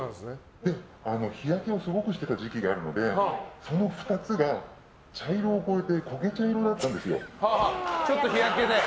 日焼けしていた時期があるのでこの２つが茶色を超えてこげ茶色だったんですよ。